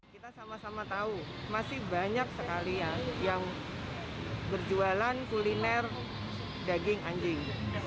kita sama sama tahu masih banyak sekali yang berjualan kuliner daging anjing